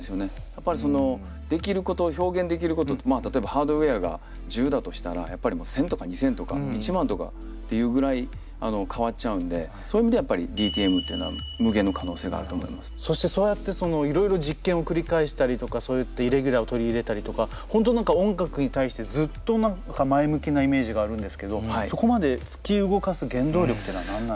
やっぱりそのできること表現できることってまあ例えばハードウェアが１０だとしたらやっぱり１，０００とか２，０００とか１万とかっていうぐらい変わっちゃうんでそういう意味ではやっぱりそしてそうやっていろいろ実験を繰り返したりとかそういったイレギュラーを取り入れたりとか本当音楽に対してずっと何か前向きなイメージがあるんですけどそこまで突き動かす原動力っていうのは何なんですか？